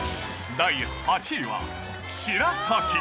第８位はしらたき。